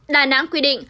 đà nẵng quy định